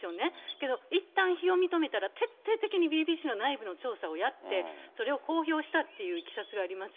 けど、いったん非を認めたら、徹底的にＢＢＣの内部の調査をやって、それを公表したっていういきさつがあります。